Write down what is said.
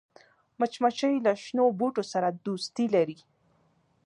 مچمچۍ له شنو بوټو سره دوستي لري